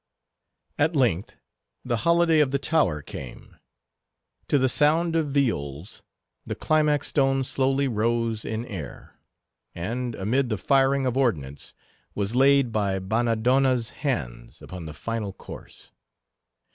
At length the holiday of the Tower came. To the sound of viols, the climax stone slowly rose in air, and, amid the firing of ordnance, was laid by Bannadonna's hands upon the final course.